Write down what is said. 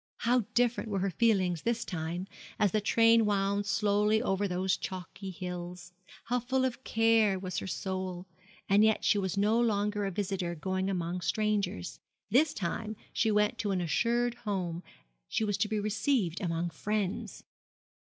How different were her feelings this time, as the train wound slowly over those chalky hills! how full of care was her soul! And yet she was no longer a visitor going among strangers this time she went to an assured home, she was to be received among friends.